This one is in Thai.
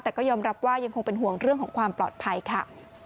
แต่ก็ยอมรับว่ายังคงเป็นห่วงเรื่องของความปลอดภัยค่ะ